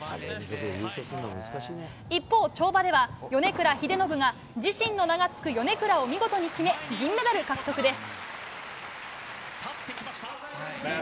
一方、跳馬では米倉英信が自身の名がつくヨネクラを見事に決め、銀メダル獲得です。